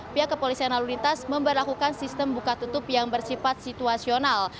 pihak kepolisian lalu lintas memperlakukan sistem buka tutup yang bersifat situasional